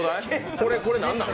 これ、これ何なん？